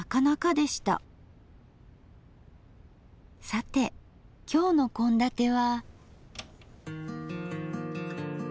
さて今日の献立は？